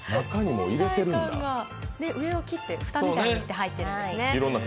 上を切って、蓋みたいにして入っているんですね。